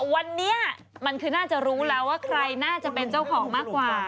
วันนี้มันคือน่าจะรู้แล้วว่าใครน่าจะเป็นเจ้าของมากกว่า